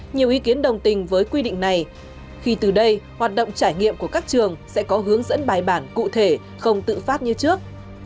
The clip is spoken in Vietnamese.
nhiều ý kiến đồng tình với quy định này khi từ đây hoạt động trải nghiệm của các trường sẽ có hướng dẫn bài bản cụ thể không tự phát như trước